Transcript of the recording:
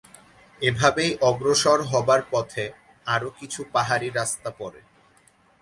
এভাবেই অগ্রসর হবার পথে আরো কিছু পাহাড়ী রাস্তা পড়ে।